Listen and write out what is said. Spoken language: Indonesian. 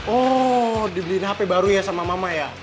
oh dibeliin hp baru ya sama mama ya